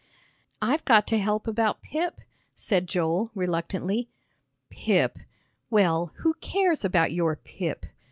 "I've got to help about Pip," said Joel, reluctantly. "Pip! Well, who cares about your Pip?"